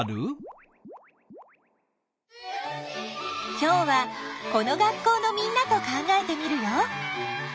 今日はこの学校のみんなと考えてみるよ！